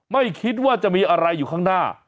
ไม่คิดว่าจะมีอะไรอยู่ข้างหน้า